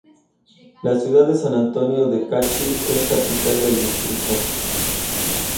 La ciudad de San Antonio de Cachi es capital del distrito.